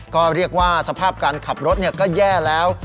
ก็เรียกว่าสภาพการขับรถก็แย่แล้ว